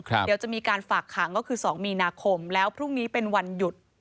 เดี๋ยวจะมีการฝากขังก็คือ๒มีนาคมแล้วพรุ่งนี้เป็นวันหยุด